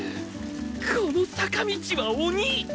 この坂道は鬼！